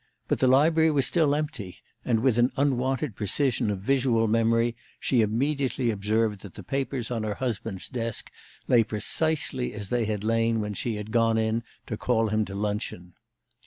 But the library was still empty, and with an unwonted precision of visual memory she immediately observed that the papers on her husband's desk lay precisely as they had lain when she had gone in to call him to luncheon.